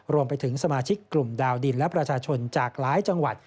รวมไปถึงสมาชิกกลุ่มดาวดินและประชาชนจากหลายจังหวัด